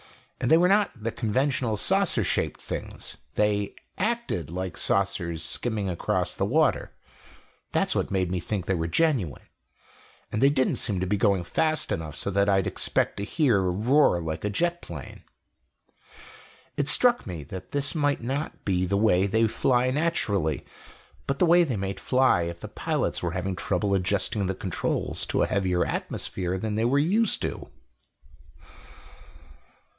And they were not the conventional saucer shaped things they acted like saucers skimming across the water. That's what made me think they were genuine. And they didn't seem to be going fast enough so that I'd expect to hear a roar like a jet plane. "It struck me that this might not be the way they fly, naturally, but the way they might fly if the pilots were having trouble adjusting the controls to a heavier atmosphere than they were used to."